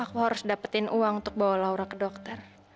aku harus dapetin uang untuk bawa laura ke dokter